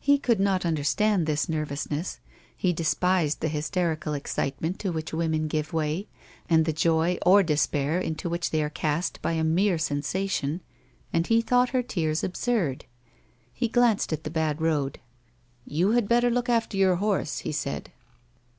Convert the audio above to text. He could not understand this nervousness ; he despised the hysterical excitenilut to .which women give way and the joy ov despair into which they are cast by a mere sensation, and he thought her tears absurd. He glanced at the bad road. " You had better look after your horse," he said.